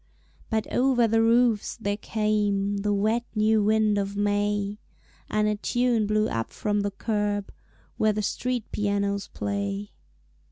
But over the roofs there came The wet new wind of May, And a tune blew up from the curb Where the street pianos play.